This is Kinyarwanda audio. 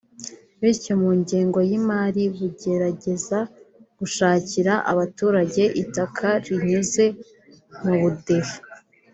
bityo mu ngengo y’imari bugerageza gushakira abaturage itaka binyuze mu budehe